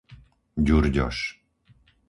Ďurďoš